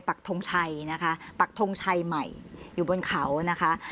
ปักทงชัยนะคะปักทงชัยใหม่อยู่บนเขานะคะ